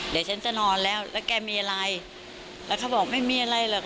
เดี๋ยวฉันจะนอนแล้วแล้วแกมีอะไรแล้วเขาบอกไม่มีอะไรหรอก